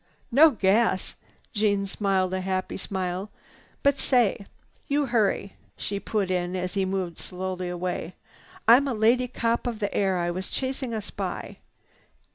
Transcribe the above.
"No gas." Jeanne smiled a happy smile. "But say! You hurry!" she put in as he moved slowly away. "I'm a lady cop of the air. I was chasing a spy."